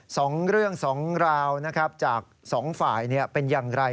สองเรื่องสองราวนะครับจากสองฝ่ายเป็นอย่างไร